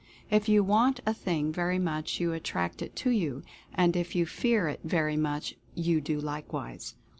If you want a thing very much you attract it to you — and. if you fear it very much you do likewise.